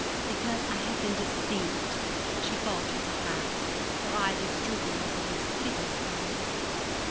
'Because I had been deceived,' she faltered at last, her eyelids drooping over those piteous eyes.